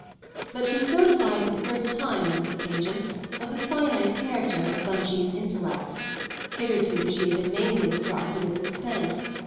But she was notified for the first time, on this occasion, of the finite character of Bunchie's intellect; hitherto she had been mainly struck with its extent.